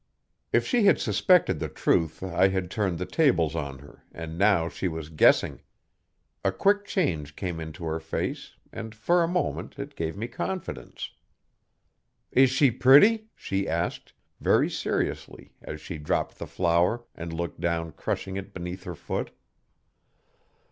If she had suspected the truth I had turned the tables on her, and now she was guessing. A quick change came into her face, and, for a moment, it gave me confidence. 'Is she pretty?' she asked very seriously as she dropped the flower and looked down crushing it beneath her foot.